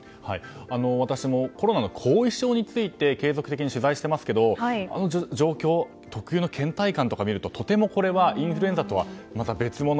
私もコロナの後遺症について継続的に取材していますけどあの状況、特有の倦怠感を見るととてもこれはインフルエンザとはまた別もの。